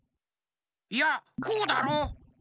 いやこうだろ。